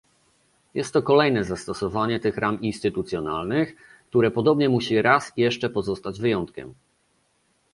Jest to kolejne zastosowanie tych ram instytucjonalnych, które podobnie musi raz jeszcze pozostać wyjątkiem